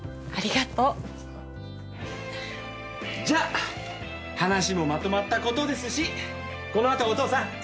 じゃあ話もまとまったことですしこの後お父さん。